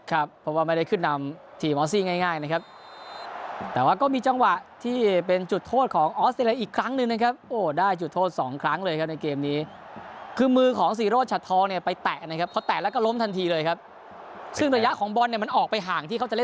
ครับเพราะว่าไม่ได้ขึ้นนำทีมออสติ้งง่ายนะครับ